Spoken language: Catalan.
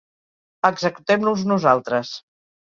Executem-los nosaltres.